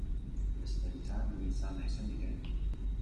Ez pentsa ni izan naizenik, e?